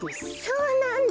そうなんだ。